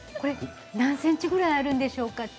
何ｃｍぐらいあるんでしょうか。